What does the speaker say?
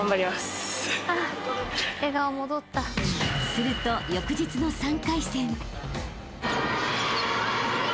［すると翌日の３回戦］